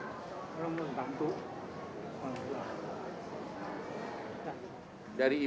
terima kasih ya pak nedi